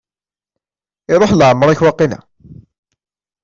Iruḥ leɛmer-ik, waqila?